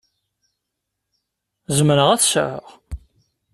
Zemreɣ ad t-sεuɣ?